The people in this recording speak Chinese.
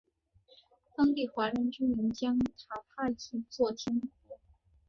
当地华人居民将坦帕译作天柏。